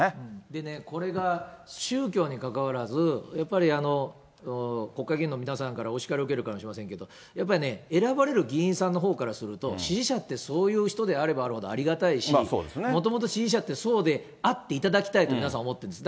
でね、これが宗教にかかわらず、やっぱり国会議員の皆さんからお叱りを受けるかもしれませんけれども、やっぱりね、選ばれる議員さんのほうからすると、支持者ってそういう人であればあるほどありがたいし、もともと支持者ってそうであっていただきたいって皆さん思ってるんです。